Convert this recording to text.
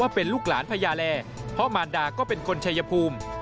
เป็นลูกหลานพญาแร่เพราะมารดาก็เป็นคนชัยภูมิ